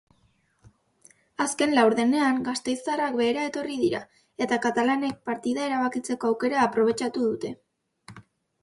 Azken laurdenean gasteiztarrak behera etorri dira eta katalanek partida erabakitzeko aukera aprobetxatu dute.